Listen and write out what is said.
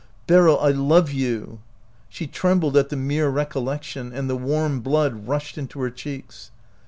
Beryl! I love you!" She trembled at the mere recollection, and the warm blood rushed into her cheeks.